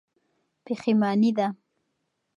پښېماني ده.